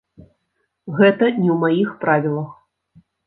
Гэта не ў маіх правілах.